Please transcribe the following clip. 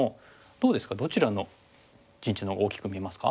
どうですかどちらの陣地のほうが大きく見えますか？